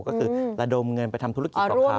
ก็คือระดมเงินไปทำธุรกิจของเขา